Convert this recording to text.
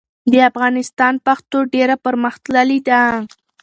د افغانستان پښتو ډېره پرمختللې ده.